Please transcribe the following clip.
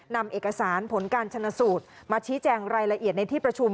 นำเอกสารผลการชนสูตรมาชี้แจงรายละเอียดในที่ประชุม